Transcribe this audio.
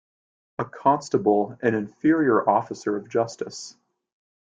A constable an inferior officer of justice.